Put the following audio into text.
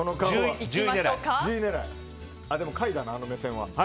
でも下位だな、この目線は。